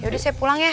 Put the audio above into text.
yaudah saya pulang ya